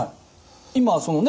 今そのね